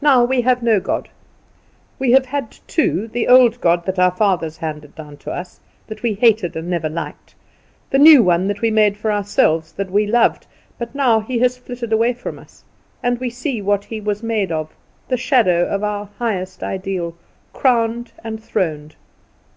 Now we have no God. We have had two: the old God that our fathers handed down to us, that we hated, and never liked: the new one that we made for ourselves, that we loved; but now he has flitted away from us, and we see what he was made of the shadow of our highest ideal, crowned and throned.